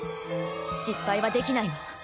失敗はできないわ。